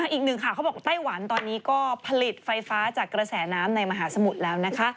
อีกหนึ่งข่าวเขาบอกไต้หวันตอนนี้ก็ผลิตไฟฟ้าจากกระแสน้ำในมหาสมุทรแล้วนะคะ